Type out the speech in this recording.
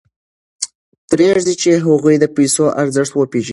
پرېږدئ چې هغوی د پیسو ارزښت وپېژني.